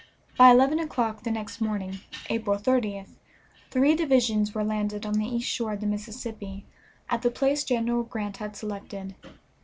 By eleven o'clock the next morning, April 30th, three divisions were landed on the east shore of the Mississippi at the place General Grant had selected.